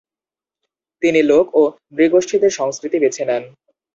তিনি লোক ও নৃগোষ্ঠীদের সংস্কৃতি বেছে নেন।